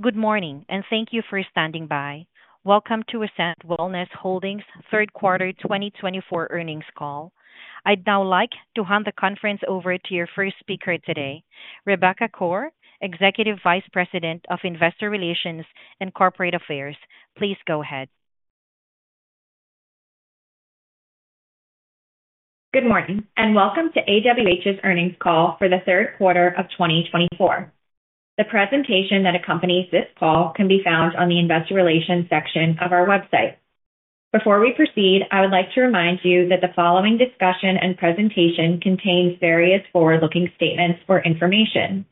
Good morning, and thank you for standing by. Welcome to Ascend Wellness Holdings ' third quarter 2024 earnings call. I'd now like to hand the conference over to your first speaker today, Rebecca Koar, Executive Vice President of Investor Relations and Corporate Affairs. Please go ahead. Good morning, and welcome to AWH's earnings call for the third quarter of 2024. The presentation that accompanies this call can be found on the Investor Relations section of our website. Before we proceed, I would like to remind you that the following discussion and presentation contains various forward-looking statements or information.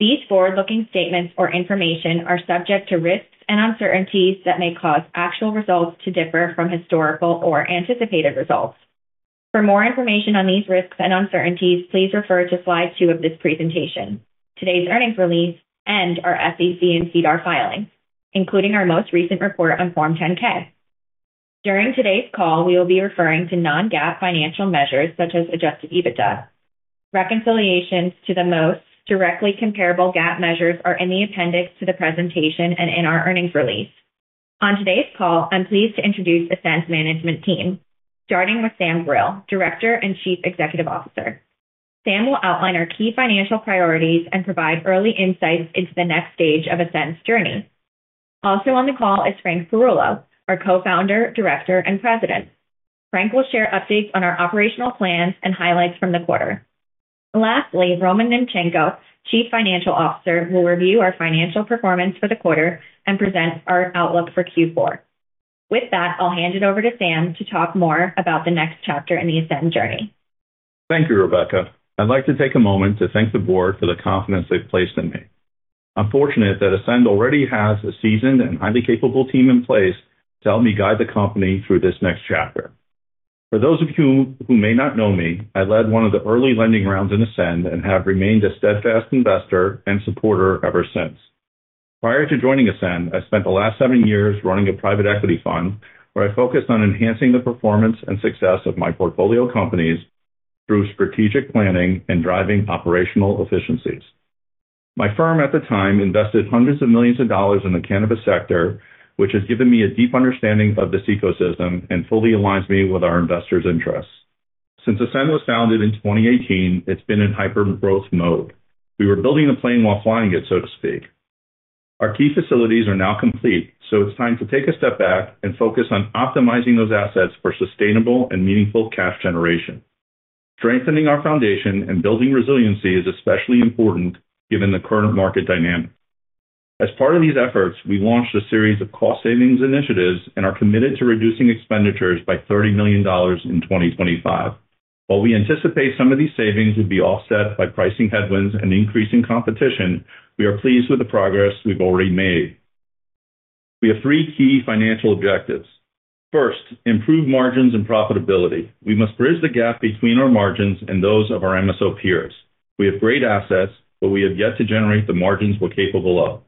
These forward-looking statements or information are subject to risks and uncertainties that may cause actual results to differ from historical or anticipated results. For more information on these risks and uncertainties, please refer to slide two of this presentation. Today's earnings release and our SEC and SEDAR filings, including our most recent report on Form 10-K. During today's call, we will be referring to non-GAAP financial measures such as adjusted EBITDA. Reconciliations to the most directly comparable GAAP measures are in the appendix to the presentation and in our earnings release. On today's call, I'm pleased to introduce Ascend's management team, starting with Sam Brill, Director and Chief Executive Officer. Sam will outline our key financial priorities and provide early insights into the next stage of Ascend's journey. Also on the call is Frank Perullo, our Co-Founder, Director, and President. Frank will share updates on our operational plans and highlights from the quarter. Lastly, Roman Nemchenko, Chief Financial Officer, will review our financial performance for the quarter and present our outlook for Q4. With that, I'll hand it over to Sam to talk more about the next chapter in the Ascend journey. Thank you, Rebecca. I'd like to take a moment to thank the board for the confidence they've placed in me. I'm fortunate that Ascend already has a seasoned and highly capable team in place to help me guide the company through this next chapter. For those of you who may not know me, I led one of the early lending rounds in Ascend and have remained a steadfast investor and supporter ever since. Prior to joining Ascend, I spent the last seven years running a private equity fund where I focused on enhancing the performance and success of my portfolio companies through strategic planning and driving operational efficiencies. My firm at the time invested hundreds of millions of dollars in the cannabis sector, which has given me a deep understanding of this ecosystem and fully aligns me with our investors' interests. Since Ascend was founded in 2018, it's been in hyper-growth mode. We were building the plane while flying it, so to speak. Our key facilities are now complete, so it's time to take a step back and focus on optimizing those assets for sustainable and meaningful cash generation. Strengthening our foundation and building resiliency is especially important given the current market dynamic. As part of these efforts, we launched a series of cost-savings initiatives and are committed to reducing expenditures by $30 million in 2025. While we anticipate some of these savings would be offset by pricing headwinds and increasing competition, we are pleased with the progress we've already made. We have three key financial objectives. First, improve margins and profitability. We must bridge the gap between our margins and those of our MSO peers. We have great assets, but we have yet to generate the margins we're capable of.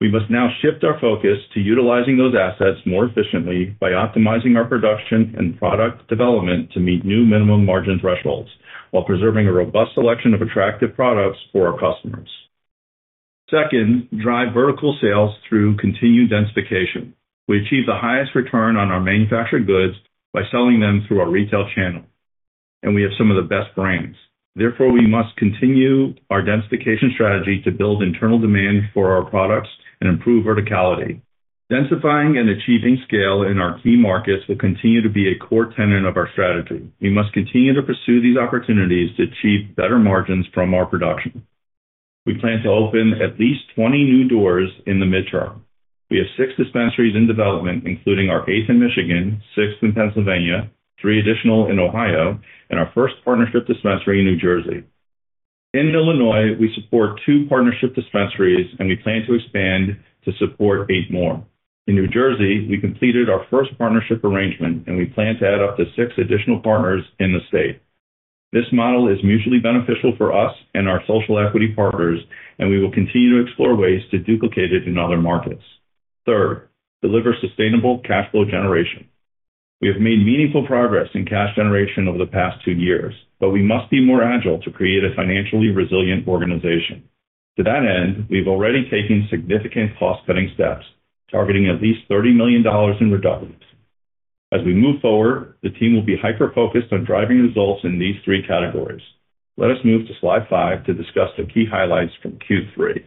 We must now shift our focus to utilizing those assets more efficiently by optimizing our production and product development to meet new minimum margin thresholds while preserving a robust selection of attractive products for our customers. Second, drive vertical sales through continued densification. We achieve the highest return on our manufactured goods by selling them through our retail channel, and we have some of the best brands. Therefore, we must continue our densification strategy to build internal demand for our products and improve verticality. Densifying and achieving scale in our key markets will continue to be a core tenet of our strategy. We must continue to pursue these opportunities to achieve better margins from our production. We plan to open at least 20 new doors in the midterm. We have six dispensaries in development, including our eighth in Michigan, sixth in Pennsylvania, three additional in Ohio, and our first partnership dispensary in New Jersey. In Illinois, we support two partnership dispensaries, and we plan to expand to support eight more. In New Jersey, we completed our first partnership arrangement, and we plan to add up to six additional partners in the state. This model is mutually beneficial for us and our social equity partners, and we will continue to explore ways to duplicate it in other markets. Third, deliver sustainable cash flow generation. We have made meaningful progress in cash generation over the past two years, but we must be more agile to create a financially resilient organization. To that end, we've already taken significant cost-cutting steps, targeting at least $30 million in reductions. As we move forward, the team will be hyper-focused on driving results in these three categories. Let us move to slide five to discuss the key highlights from Q3.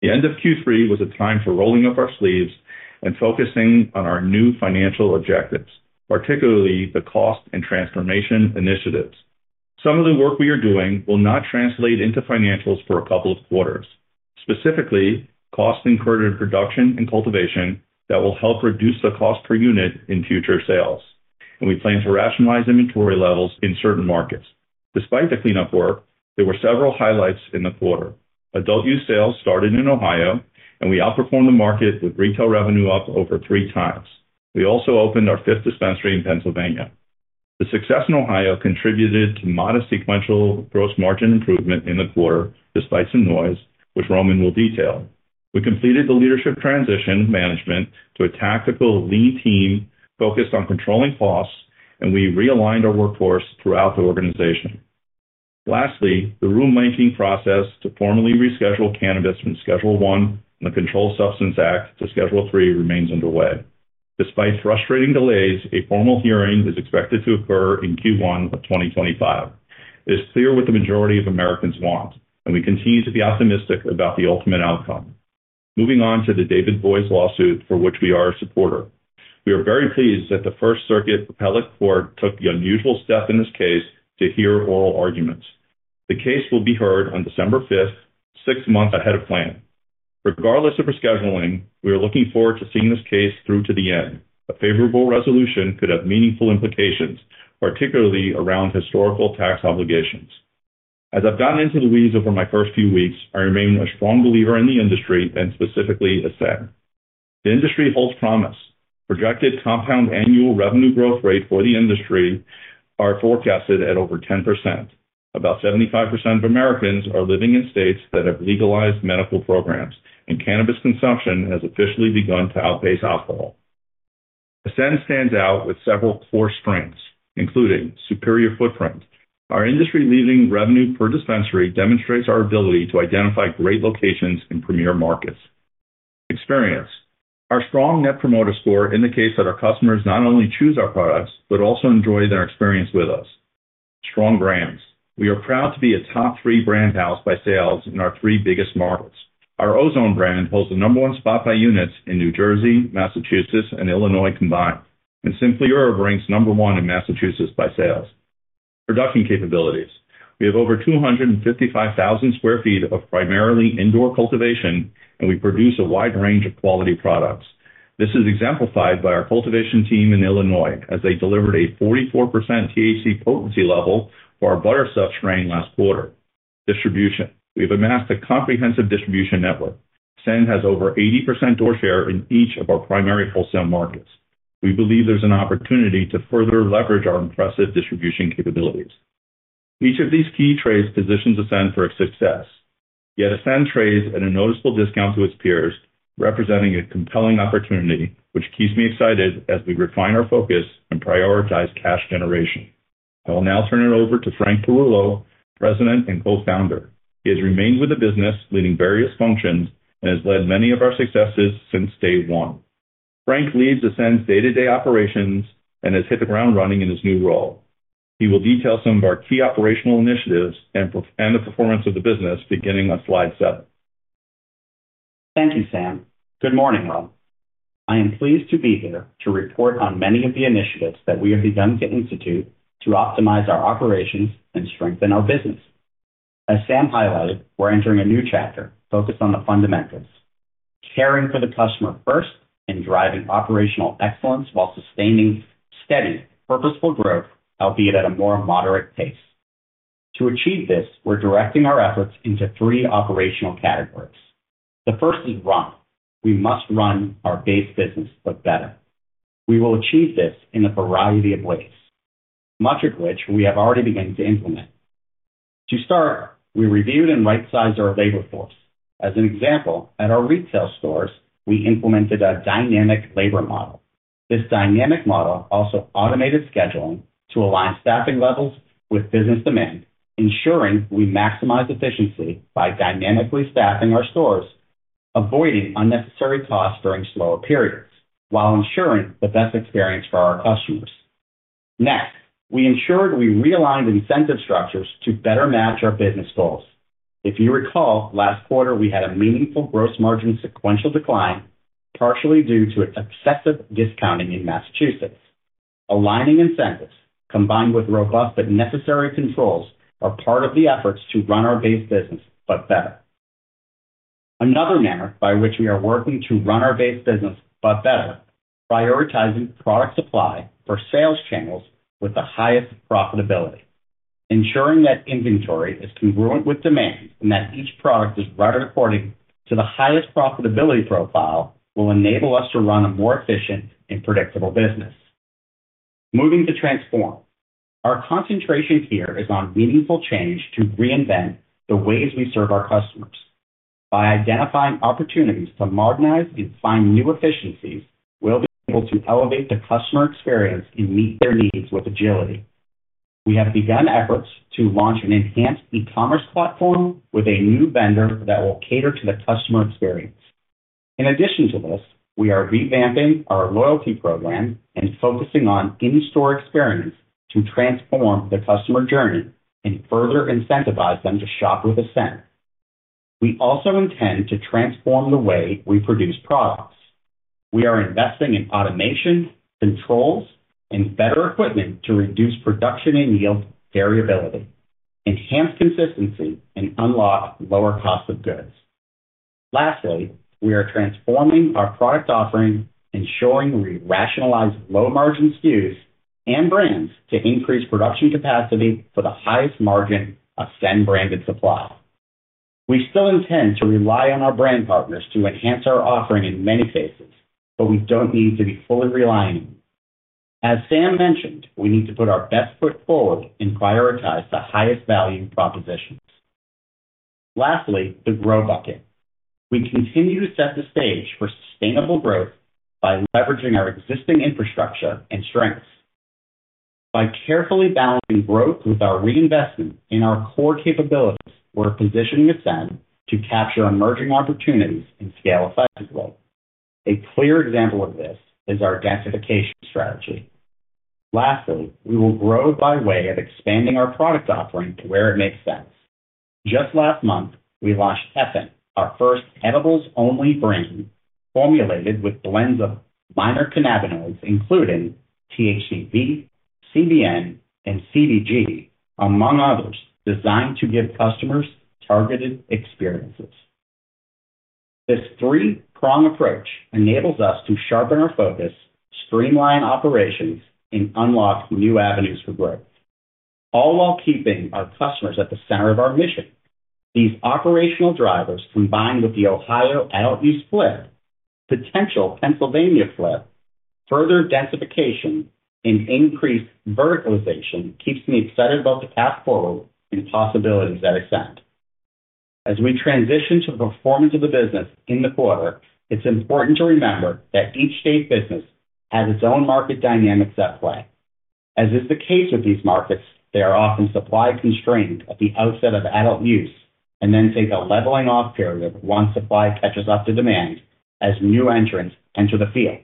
The end of Q3 was a time for rolling up our sleeves and focusing on our new financial objectives, particularly the cost and transformation initiatives. Some of the work we are doing will not translate into financials for a couple of quarters. Specifically, costs incurred in production and cultivation that will help reduce the cost per unit in future sales, and we plan to rationalize inventory levels in certain markets. Despite the cleanup work, there were several highlights in the quarter. Adult use sales started in Ohio, and we outperformed the market with retail revenue up over three times. We also opened our fifth dispensary in Pennsylvania. The success in Ohio contributed to modest sequential gross margin improvement in the quarter, despite some noise, which Roman will detail. We completed the leadership transition management to a tactical, lean team focused on controlling costs, and we realigned our workforce throughout the organization. Lastly, the rulemaking process to formally reschedule cannabis from Schedule 1 and the Controlled Substances Act to Schedule 3 remains underway. Despite frustrating delays, a formal hearing is expected to occur in Q1 of 2025. It is clear what the majority of Americans want, and we continue to be optimistic about the ultimate outcome. Moving on to the David Boies lawsuit for which we are a supporter. We are very pleased that the First Circuit appellate court took the unusual step in this case to hear oral arguments. The case will be heard on December 5th, six months ahead of plan. Regardless of rescheduling, we are looking forward to seeing this case through to the end. A favorable resolution could have meaningful implications, particularly around historical tax obligations. As I've gotten into the weeds over my first few weeks, I remain a strong believer in the industry and specifically Ascend. The industry holds promise. Projected compound annual revenue growth rate for the industry is forecasted at over 10%. About 75% of Americans are living in states that have legalized medical programs, and cannabis consumption has officially begun to outpace alcohol. Ascend stands out with several core strengths, including superior footprint. Our industry-leading revenue per dispensary demonstrates our ability to identify great locations in premier markets. Experience. Our strong Net Promoter Score indicates that our customers not only choose our products but also enjoy their experience with us. Strong brands. We are proud to be a top three brand house by sales in our three biggest markets. Our Ozone brand holds the number one spot by units in New Jersey, Massachusetts, and Illinois combined, and Simply Herb ranks number one in Massachusetts by sales. Production capabilities. We have over 255,000 sq ft of primarily indoor cultivation, and we produce a wide range of quality products. This is exemplified by our cultivation team in Illinois as they delivered a 44% THC potency level for our Butterstuff strain last quarter. Distribution. We have amassed a comprehensive distribution network. Ascend has over 80% door share in each of our primary wholesale markets. We believe there's an opportunity to further leverage our impressive distribution capabilities. Each of these key traits positions Ascend for success. Yet Ascend trades at a noticeable discount to its peers, representing a compelling opportunity, which keeps me excited as we refine our focus and prioritize cash generation. I will now turn it over to Frank Perullo, President and Co-Founder. He has remained with the business, leading various functions, and has led many of our successes since day one. Frank leads Ascend's day-to-day operations and has hit the ground running in his new role. He will detail some of our key operational initiatives and the performance of the business beginning on slide seven. Thank you, Sam. Good morning, Roman. I am pleased to be here to report on many of the initiatives that we have begun to institute to optimize our operations and strengthen our business. As Sam highlighted, we're entering a new chapter focused on the fundamentals: caring for the customer first and driving operational excellence while sustaining steady, purposeful growth, albeit at a more moderate pace. To achieve this, we're directing our efforts into three operational categories. The first is run. We must run our base business, but better. We will achieve this in a variety of ways, much of which we have already begun to implement. To start, we reviewed and right-sized our labor force. As an example, at our retail stores, we implemented a dynamic labor model. This dynamic model also automated scheduling to align staffing levels with business demand, ensuring we maximize efficiency by dynamically staffing our stores, avoiding unnecessary costs during slower periods while ensuring the best experience for our customers. Next, we ensured we realigned incentive structures to better match our business goals. If you recall, last quarter we had a meaningful gross margin sequential decline, partially due to excessive discounting in Massachusetts. Aligning incentives, combined with robust but necessary controls, are part of the efforts to run our base business, but better. Another manner by which we are working to run our base business, but better, is prioritizing product supply for sales channels with the highest profitability. Ensuring that inventory is congruent with demand and that each product is rendered according to the highest profitability profile will enable us to run a more efficient and predictable business. Moving to transform. Our concentration here is on meaningful change to reinvent the ways we serve our customers. By identifying opportunities to modernize and find new efficiencies, we'll be able to elevate the customer experience and meet their needs with agility. We have begun efforts to launch an enhanced e-commerce platform with a new vendor that will cater to the customer experience. In addition to this, we are revamping our loyalty program and focusing on in-store experience to transform the customer journey and further incentivize them to shop with Ascend. We also intend to transform the way we produce products. We are investing in automation, controls, and better equipment to reduce production and yield variability, enhance consistency, and unlock lower costs of goods. Lastly, we are transforming our product offering, ensuring we rationalize low-margin SKUs and brands to increase production capacity for the highest margin Ascend-branded supply. We still intend to rely on our brand partners to enhance our offering in many cases, but we don't need to be fully relying on them. As Sam mentioned, we need to put our best foot forward and prioritize the highest value propositions. Lastly, the grow bucket. We continue to set the stage for sustainable growth by leveraging our existing infrastructure and strengths. By carefully balancing growth with our reinvestment in our core capabilities, we're positioning Ascend to capture emerging opportunities and scale effectively. A clear example of this is our densification strategy. Lastly, we will grow by way of expanding our product offering to where it makes sense. Just last month, we launched Effin, our first edibles-only brand formulated with blends of minor cannabinoids, including THCV, CBN, and CBG, among others, designed to give customers targeted experiences. This three-prong approach enables us to sharpen our focus, streamline operations, and unlock new avenues for growth, all while keeping our customers at the center of our mission. These operational drivers, combined with the Ohio adult use split, potential Pennsylvania split, further densification, and increased verticalization, keep me excited about the path forward and possibilities at Ascend. As we transition to the performance of the business in the quarter, it's important to remember that each state business has its own market dynamics at play. As is the case with these markets, they are often supply-constrained at the outset of adult use and then take a leveling-off period once supply catches up to demand as new entrants enter the field.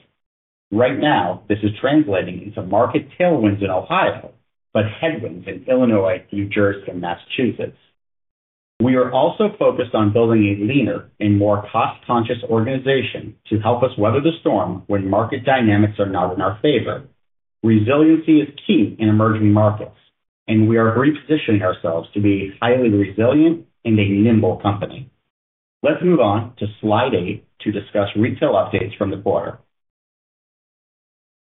Right now, this is translating into market tailwinds in Ohio, but headwinds in Illinois, New Jersey, and Massachusetts. We are also focused on building a leaner and more cost-conscious organization to help us weather the storm when market dynamics are not in our favor. Resiliency is key in emerging markets, and we are repositioning ourselves to be a highly resilient and a nimble company. Let's move on to slide eight to discuss retail updates from the quarter.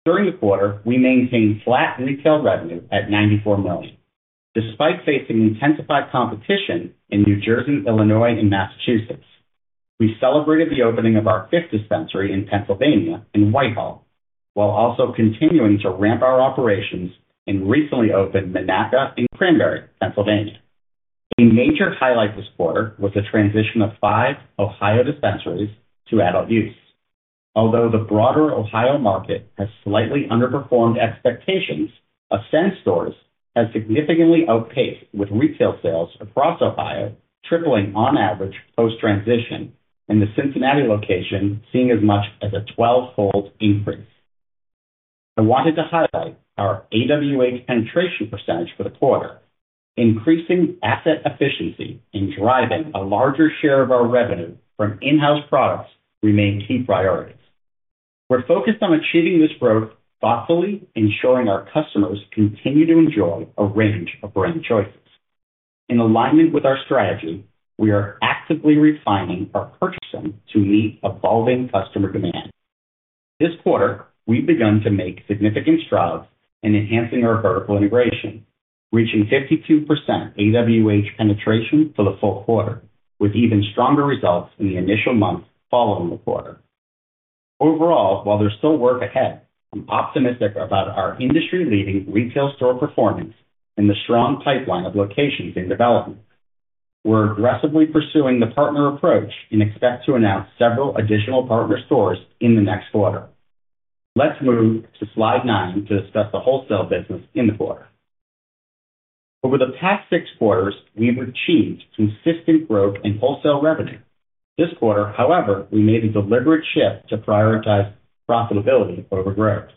During the quarter, we maintained flat retail revenue at $94 million. Despite facing intensified competition in New Jersey, Illinois, and Massachusetts, we celebrated the opening of our fifth dispensary in Pennsylvania and Whitehall while also continuing to ramp our operations in recently opened Monaca and Cranberry, Pennsylvania. A major highlight this quarter was the transition of five Ohio dispensaries to adult use. Although the broader Ohio market has slightly underperformed expectations, Ascend stores have significantly outpaced with retail sales across Ohio, tripling on average post-transition, and the Cincinnati location seeing as much as a 12-fold increase. I wanted to highlight our AWH penetration percentage for the quarter. Increasing asset efficiency and driving a larger share of our revenue from in-house products remain key priorities. We're focused on achieving this growth thoughtfully, ensuring our customers continue to enjoy a range of brand choices. In alignment with our strategy, we are actively refining our purchasing to meet evolving customer demand. This quarter, we've begun to make significant strides in enhancing our vertical integration, reaching 52% AWH penetration for the full quarter, with even stronger results in the initial month following the quarter. Overall, while there's still work ahead, I'm optimistic about our industry-leading retail store performance and the strong pipeline of locations in development. We're aggressively pursuing the partner approach and expect to announce several additional partner stores in the next quarter. Let's move to slide nine to discuss the wholesale business in the quarter. Over the past six quarters, we've achieved consistent growth in wholesale revenue. This quarter, however, we made a deliberate shift to prioritize profitability over growth.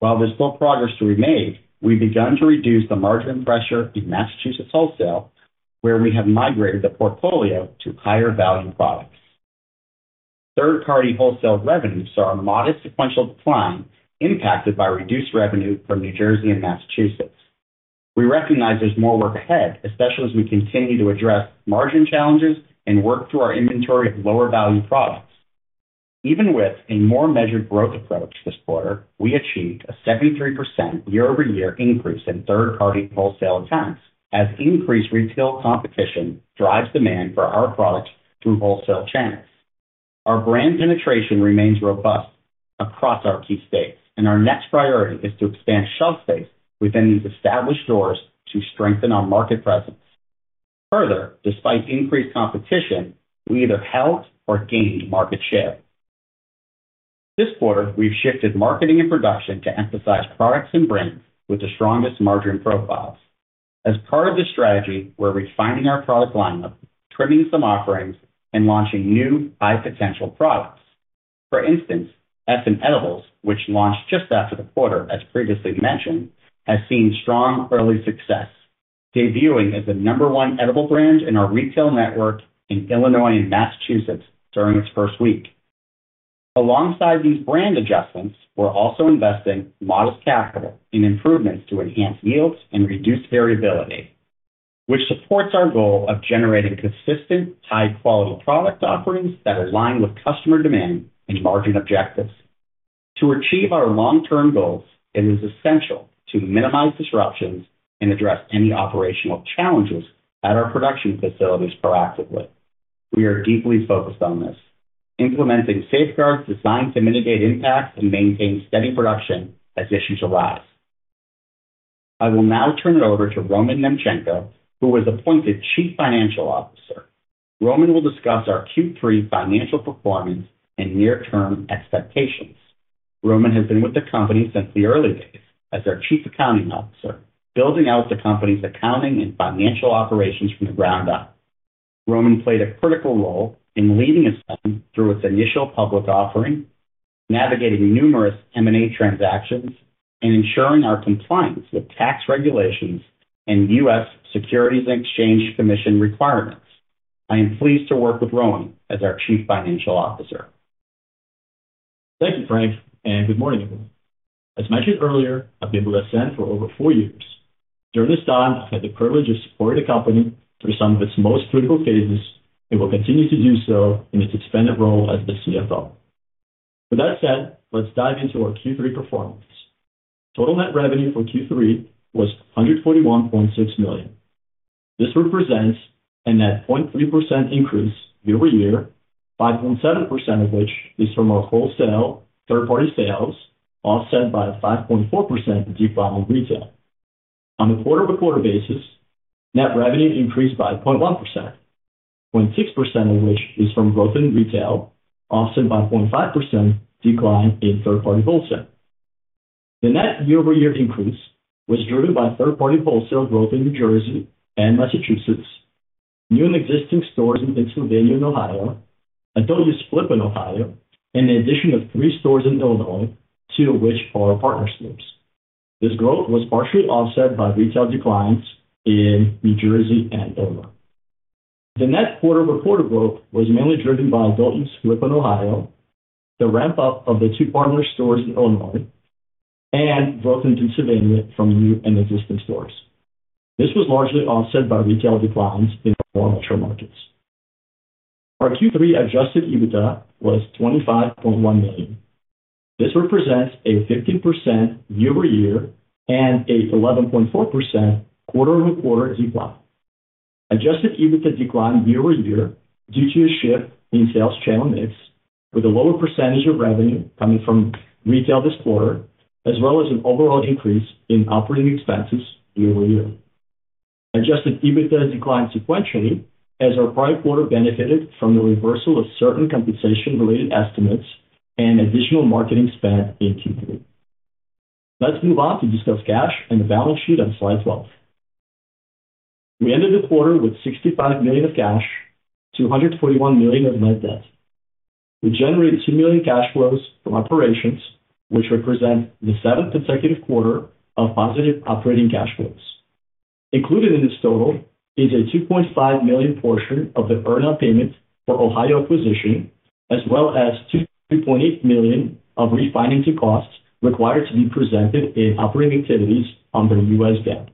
While there's still progress to be made, we've begun to reduce the margin pressure in Massachusetts wholesale, where we have migrated the portfolio to higher-value products. Third-party wholesale revenues saw a modest sequential decline impacted by reduced revenue from New Jersey and Massachusetts. We recognize there's more work ahead, especially as we continue to address margin challenges and work through our inventory of lower-value products. Even with a more measured growth approach this quarter, we achieved a 73% year-over-year increase in third-party wholesale accounts as increased retail competition drives demand for our products through wholesale channels. Our brand penetration remains robust across our key states, and our next priority is to expand shelf space within these established stores to strengthen our market presence. Further, despite increased competition, we either held or gained market share. This quarter, we've shifted marketing and production to emphasize products and brands with the strongest margin profiles. As part of this strategy, we're refining our product lineup, trimming some offerings, and launching new high-potential products. For instance, Effin Edibles, which launched just after the quarter, as previously mentioned, has seen strong early success, debuting as the number one edible brand in our retail network in Illinois and Massachusetts during its first week. Alongside these brand adjustments, we're also investing modest capital in improvements to enhance yields and reduce variability, which supports our goal of generating consistent high-quality product offerings that align with customer demand and margin objectives. To achieve our long-term goals, it is essential to minimize disruptions and address any operational challenges at our production facilities proactively. We are deeply focused on this, implementing safeguards designed to mitigate impacts and maintain steady production as issues arise. I will now turn it over to Roman Nemchenko, who was appointed Chief Financial Officer. Roman will discuss our Q3 financial performance and near-term expectations. Roman has been with the company since the early days as our Chief Accounting Officer, building out the company's accounting and financial operations from the ground up. Roman played a critical role in leading Ascend through its initial public offering, navigating numerous M&A transactions, and ensuring our compliance with tax regulations and U.S. Securities and Exchange Commission requirements. I am pleased to work with Roman as our Chief Financial Officer. Thank you, Frank, and good morning, everyone. As mentioned earlier, I've been with Ascend for over four years. During this time, I've had the privilege of supporting the company through some of its most critical phases and will continue to do so in its expanded role as the CFO. With that said, let's dive into our Q3 performance. Total net revenue for Q3 was $141.6 million. This represents a net 0.3% increase year-over-year, 5.7% of which is from our wholesale third-party sales, offset by a 5.4% decline in retail. On a quarter-over-quarter basis, net revenue increased by 0.1%, 0.6% of which is from growth in retail, offset by a 0.5% decline in third-party wholesale. The net year-over-year increase was driven by third-party wholesale growth in New Jersey and Massachusetts, new and existing stores in Pennsylvania and Ohio, adult use split in Ohio, and the addition of three stores in Illinois, two of which are partner stores. This growth was partially offset by retail declines in New Jersey and Illinois. The net quarter-over-quarter growth was mainly driven by adult use split in Ohio, the ramp-up of the two partner stores in Illinois, and growth in Pennsylvania from new and existing stores. This was largely offset by retail declines in our larger markets. Our Q3 adjusted EBITDA was $25.1 million. This represents a 15% year-over-year and an 11.4% quarter-over-quarter decline. Adjusted EBITDA declined year-over-year due to a shift in sales channel mix, with a lower percentage of revenue coming from retail this quarter, as well as an overall increase in operating expenses year-over-year. Adjusted EBITDA declined sequentially as our prior quarter benefited from the reversal of certain compensation-related estimates and additional marketing spend in Q3. Let's move on to discuss cash and the balance sheet on slide 12. We ended the quarter with $65 million of cash, $241 million of net debt. We generated $2 million cash flows from operations, which represent the seventh consecutive quarter of positive operating cash flows. Included in this total is a $2.5 million portion of the earn-out payment for Ohio acquisition, as well as $2.8 million of refinancing costs required to be presented in operating activities under U.S. GAAP.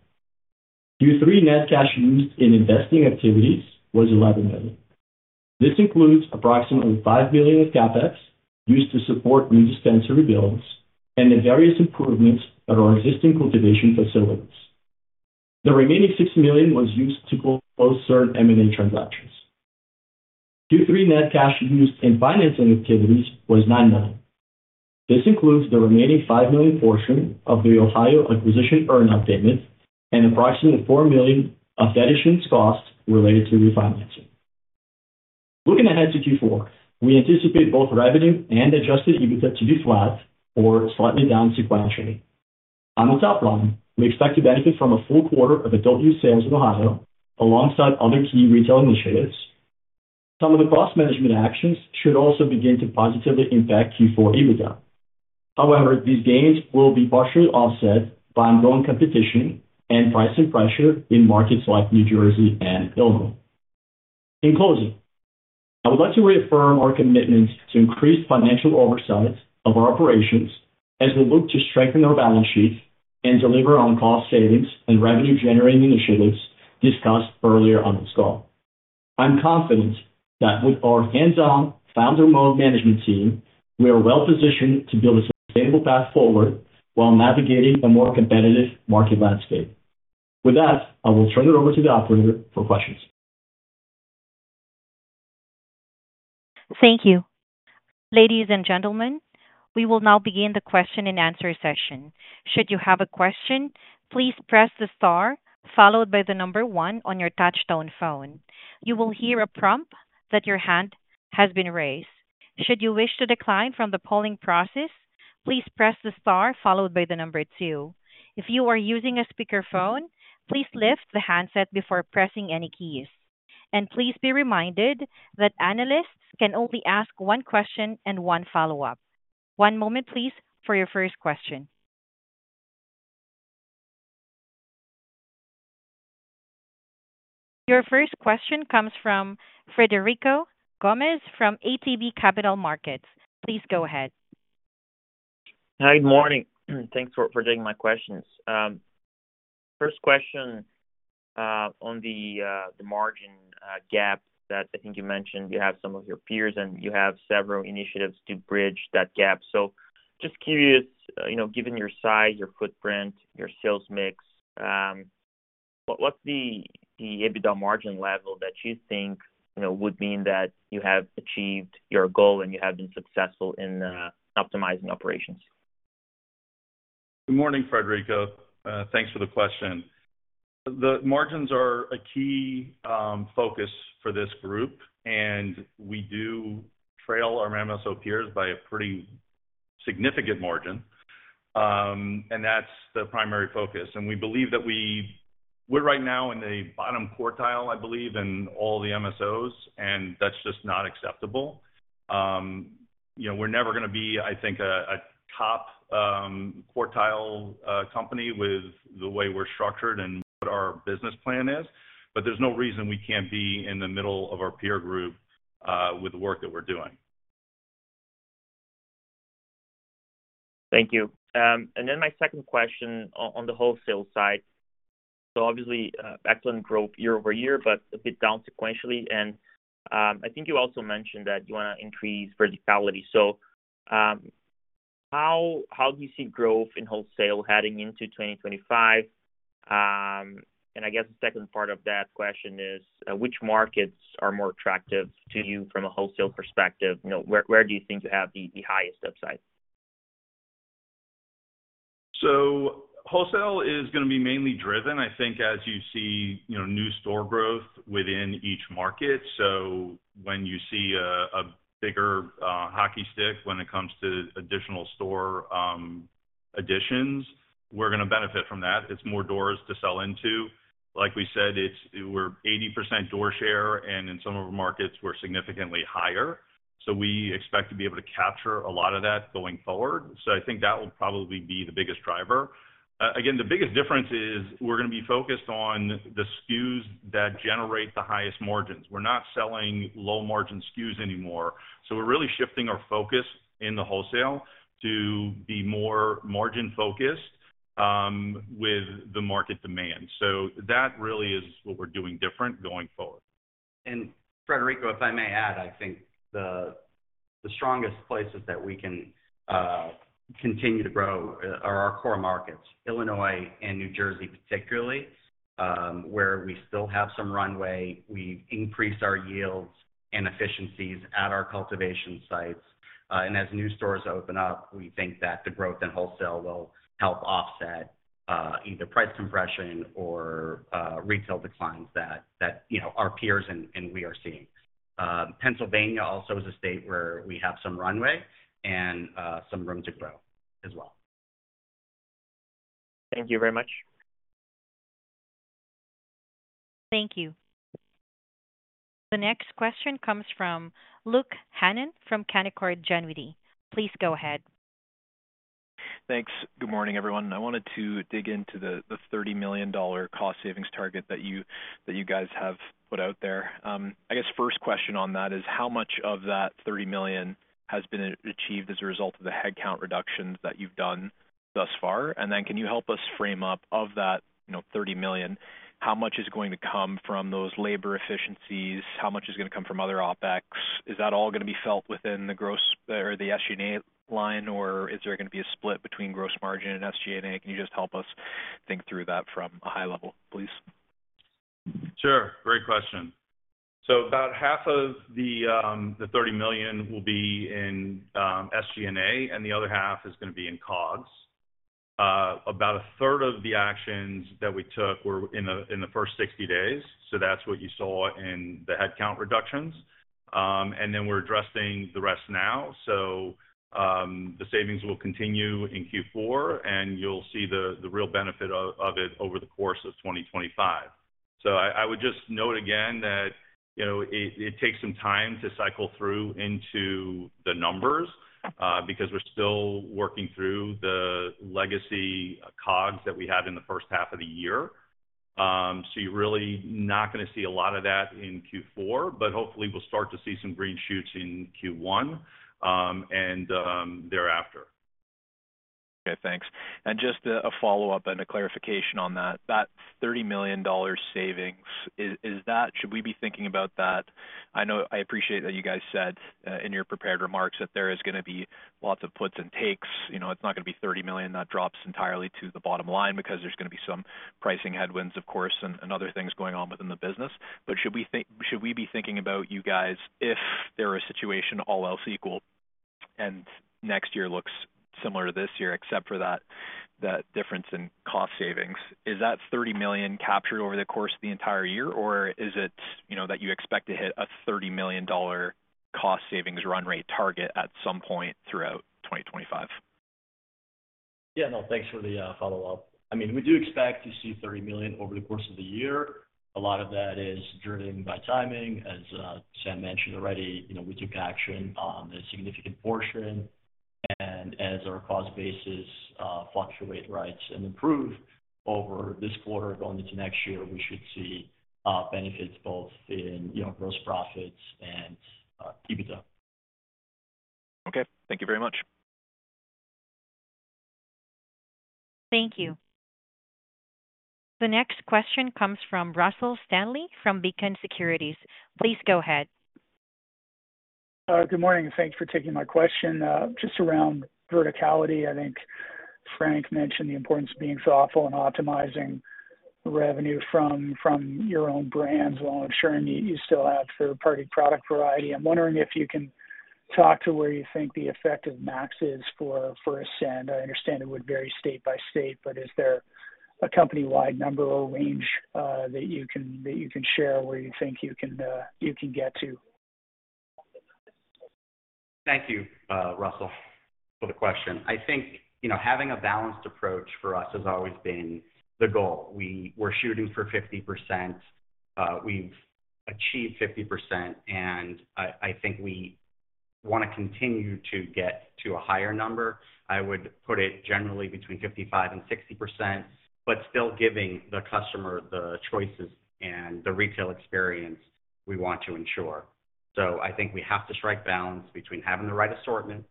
Q3 net cash used in investing activities was $11 million. This includes approximately $5 million of CapEx used to support new dispensary builds and the various improvements at our existing cultivation facilities. The remaining $6 million was used to close certain M&A transactions. Q3 net cash used in financing activities was $9 million. This includes the remaining $5 million portion of the Ohio acquisition earn-out payment and approximately $4 million of financing costs related to refinancing. Looking ahead to Q4, we anticipate both revenue and adjusted EBITDA to be flat or slightly down sequentially. On the top line, we expect to benefit from a full quarter of adult-use sales in Ohio alongside other key retail initiatives. Some of the cost management actions should also begin to positively impact Q4 EBITDA. However, these gains will be partially offset by ongoing competition and pricing pressure in markets like New Jersey and Illinois. In closing, I would like to reaffirm our commitment to increased financial oversight of our operations as we look to strengthen our balance sheet and deliver on cost savings and revenue-generating initiatives discussed earlier on this call. I'm confident that with our hands-on founder mode management team, we are well-positioned to build a sustainable path forward while navigating a more competitive market landscape. With that, I will turn it over to the operator for questions. Thank you. Ladies and gentlemen, we will now begin the question-and-answer session. Should you have a question, please press the star followed by the number one on your touch-tone phone. You will hear a prompt that your hand has been raised. Should you wish to decline from the polling process, please press the star followed by the number two. If you are using a speakerphone, please lift the handset before pressing any keys. And please be reminded that analysts can only ask one question and one follow-up. One moment, please, for your first question. Your first question comes from Frederico Gomes from ATB Capital Markets. Please go ahead. Hi, good morning. Thanks for taking my questions. First question on the margin gap that I think you mentioned, you have some of your peers and you have several initiatives to bridge that gap. So just curious, given your size, your footprint, your sales mix, what's the EBITDA margin level that you think would mean that you have achieved your goal and you have been successful in optimizing operations? Good morning, Frederico. Thanks for the question. The margins are a key focus for this group, and we do trail our MSO peers by a pretty significant margin, and that's the primary focus and we believe that we're right now in the bottom quartile, I believe, in all the MSOs, and that's just not acceptable. We're never going to be, I think, a top quartile company with the way we're structured and what our business plan is, but there's no reason we can't be in the middle of our peer group with the work that we're doing. Thank you. And then my second question on the wholesale side. So obviously, excellent growth year-over-year, but a bit down sequentially. And I think you also mentioned that you want to increase verticality. So how do you see growth in wholesale heading into 2025? And I guess the second part of that question is, which markets are more attractive to you from a wholesale perspective? Where do you think you have the highest upside? So wholesale is going to be mainly driven, I think, as you see new store growth within each market. So when you see a bigger hockey stick when it comes to additional store additions, we're going to benefit from that. It's more doors to sell into. Like we said, we're 80% door share, and in some of our markets, we're significantly higher. So we expect to be able to capture a lot of that going forward. So I think that will probably be the biggest driver. Again, the biggest difference is we're going to be focused on the SKUs that generate the highest margins. We're not selling low-margin SKUs anymore. So we're really shifting our focus in the wholesale to be more margin-focused with the market demand. So that really is what we're doing different going forward. Frederico, if I may add, I think the strongest places that we can continue to grow are our core markets, Illinois and New Jersey particularly, where we still have some runway. We've increased our yields and efficiencies at our cultivation sites. As new stores open up, we think that the growth in wholesale will help offset either price compression or retail declines that our peers and we are seeing. Pennsylvania also is a state where we have some runway and some room to grow as well. Thank you very much. Thank you. The next question comes from Luke Hannan from Canaccord Genuity. Please go ahead. Thanks. Good morning, everyone. I wanted to dig into the $30 million cost savings target that you guys have put out there. I guess first question on that is how much of that $30 million has been achieved as a result of the headcount reductions that you've done thus far? And then can you help us frame up of that $30 million, how much is going to come from those labor efficiencies? How much is going to come from other OpEx? Is that all going to be felt within the gross or the SG&A line, or is there going to be a split between gross margin and SG&A? Can you just help us think through that from a high level, please? Sure. Great question. So about half of the $30 million will be in SG&A, and the other half is going to be in COGS. About a third of the actions that we took were in the first 60 days. So that's what you saw in the headcount reductions. And then we're addressing the rest now. So the savings will continue in Q4, and you'll see the real benefit of it over the course of 2025. So I would just note again that it takes some time to cycle through into the numbers because we're still working through the legacy COGS that we had in the first half of the year. So you're really not going to see a lot of that in Q4, but hopefully we'll start to see some green shoots in Q1 and thereafter. Okay. Thanks. And just a follow-up and a clarification on that. That $30 million savings, should we be thinking about that? I appreciate that you guys said in your prepared remarks that there is going to be lots of puts and takes. It's not going to be $30 million that drops entirely to the bottom line because there's going to be some pricing headwinds, of course, and other things going on within the business. But should we be thinking about you guys if there are situations all else equal and next year looks similar to this year except for that difference in cost savings? Is that $30 million captured over the course of the entire year, or is it that you expect to hit a $30 million cost savings run rate target at some point throughout 2025? Yeah. No, thanks for the follow-up. I mean, we do expect to see $30 million over the course of the year. A lot of that is driven by timing. As Sam mentioned already, we took action on a significant portion, and as our cost basis fluctuate, right, and improve over this quarter going into next year, we should see benefits both in gross profits and EBITDA. Okay. Thank you very much. Thank you. The next question comes from Russell Stanley from Beacon Securities. Please go ahead. Good morning. Thanks for taking my question. Just around verticality, I think Frank mentioned the importance of being thoughtful and optimizing revenue from your own brands while ensuring you still have third-party product variety. I'm wondering if you can talk to where you think the effective max is for Ascend. I understand it would vary state by state, but is there a company-wide number or range that you can share where you think you can get to? Thank you, Russell, for the question. I think having a balanced approach for us has always been the goal. We're shooting for 50%. We've achieved 50%, and I think we want to continue to get to a higher number. I would put it generally between 55% and 60%, but still giving the customer the choices and the retail experience we want to ensure. So I think we have to strike balance between having the right assortment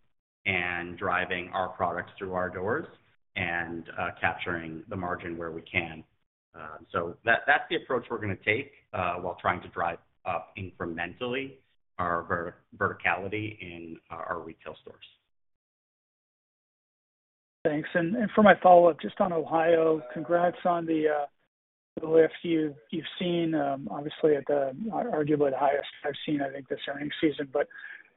and driving our products through our doors and capturing the margin where we can. So that's the approach we're going to take while trying to drive up incrementally our verticality in our retail stores. Thanks. And for my follow-up, just on Ohio, congrats on the lift you've seen. Obviously, arguably the highest I've seen, I think, this earnings season. But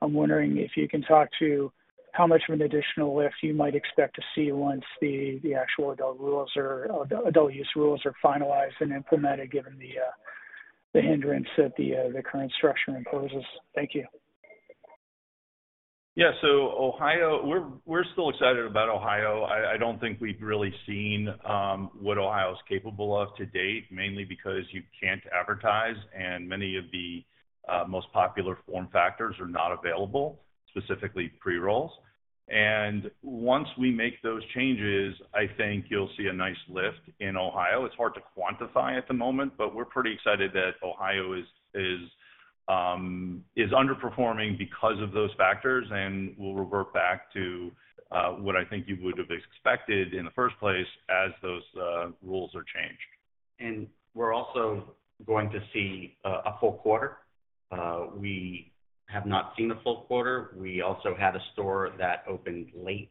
I'm wondering if you can talk to how much of an additional lift you might expect to see once the actual adult use rules are finalized and implemented, given the hindrance that the current structure imposes? Thank you. Yeah, so we're still excited about Ohio. I don't think we've really seen what Ohio is capable of to date, mainly because you can't advertise, and many of the most popular form factors are not available, specifically pre-rolls, and once we make those changes, I think you'll see a nice lift in Ohio. It's hard to quantify at the moment, but we're pretty excited that Ohio is underperforming because of those factors and will revert back to what I think you would have expected in the first place as those rules are changed. We're also going to see a full quarter. We have not seen a full quarter. We also had a store that opened late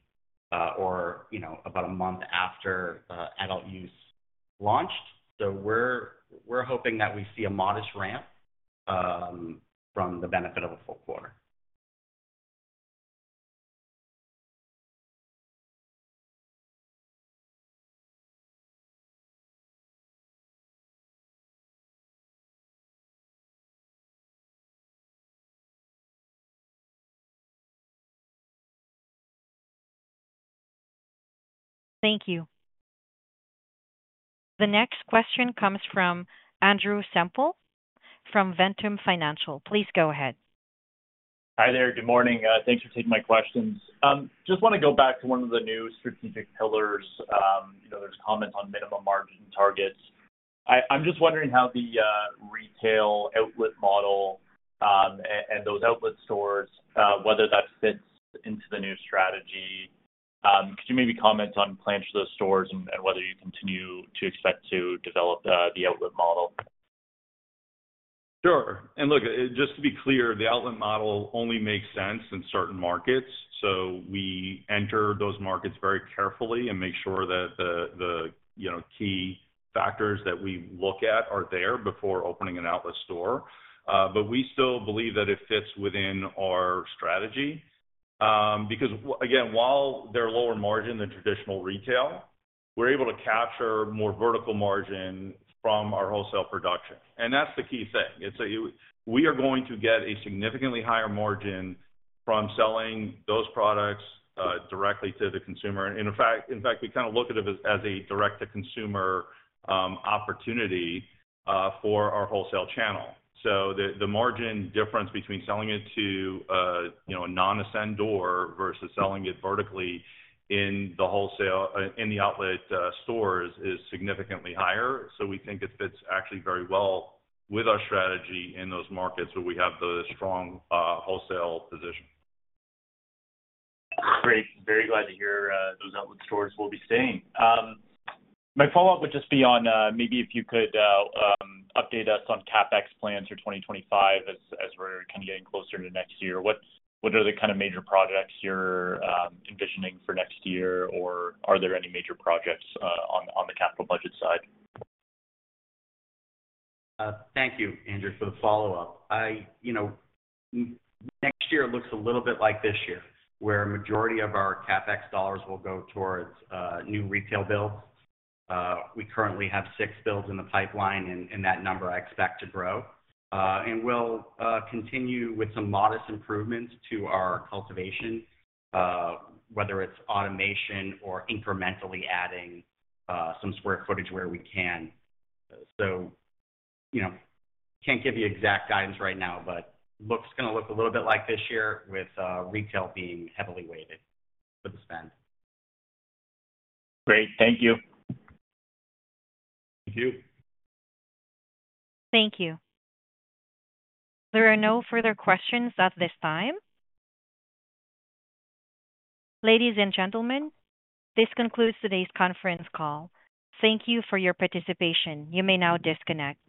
or about a month after adult use launched. We're hoping that we see a modest ramp from the benefit of a full quarter. Thank you. The next question comes from Andrew Semple from Ventum Financial. Please go ahead. Hi there. Good morning. Thanks for taking my questions. Just want to go back to one of the new strategic pillars. There's comments on minimum margin targets. I'm just wondering how the retail outlet model and those outlet stores, whether that fits into the new strategy. Could you maybe comment on plans for those stores and whether you continue to expect to develop the outlet model? Sure. And look, just to be clear, the outlet model only makes sense in certain markets. So we enter those markets very carefully and make sure that the key factors that we look at are there before opening an outlet store. But we still believe that it fits within our strategy because, again, while they're lower margin than traditional retail, we're able to capture more vertical margin from our wholesale production. And that's the key thing. We are going to get a significantly higher margin from selling those products directly to the consumer. And in fact, we kind of look at it as a direct-to-consumer opportunity for our wholesale channel. So the margin difference between selling it to a non-Ascend door versus selling it vertically in the outlet stores is significantly higher. We think it fits actually very well with our strategy in those markets where we have the strong wholesale position. Great. Very glad to hear those outlet stores will be staying. My follow-up would just be on maybe if you could update us on CapEx plans for 2025 as we're kind of getting closer to next year. What are the kind of major projects you're envisioning for next year, or are there any major projects on the capital budget side? Thank you, Andrew, for the follow-up. Next year looks a little bit like this year, where a majority of our CapEx dollars will go towards new retail builds. We currently have six builds in the pipeline, and that number I expect to grow, and we'll continue with some modest improvements to our cultivation, whether it's automation or incrementally adding some square footage where we can, so can't give you exact guidance right now, but it's going to look a little bit like this year with retail being heavily weighted for the spend. Great. Thank you. Thank you. Thank you. There are no further questions at this time. Ladies and gentlemen, this concludes today's conference call. Thank you for your participation. You may now disconnect.